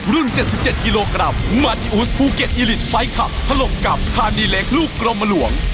รุ่น๗๗กิโลกรัมมัธิอุสภูเก็ตอีลิตไฟคลับถลบกับทานีเล็กลูกกรมมาหลวง